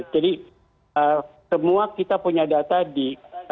semua kita punya data di